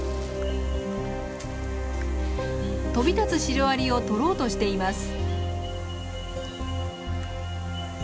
飛び立つシロアリを取ろうとしています。